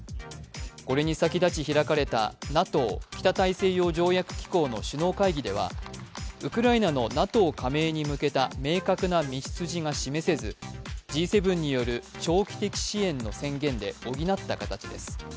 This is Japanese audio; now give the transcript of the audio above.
これに先立ち開かれたＮＡＴＯ＝北大西洋条約機構の首脳会議ではウクライナのＮＡＴＯ加盟に向けた明確な道筋が示せずＧ７による長期的支援の宣言で補った形です。